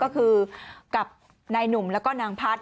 ก็คือกับนายหนุ่มแล้วก็นางพัฒน์